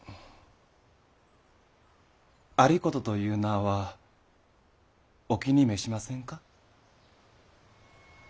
有功という名はお気に召しませんか？